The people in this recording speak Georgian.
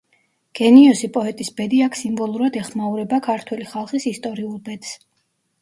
გენიოსი პოეტის ბედი აქ სიმბოლურად ეხმაურება ქართველი ხალხის ისტორიულ ბედს.